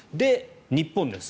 日本です。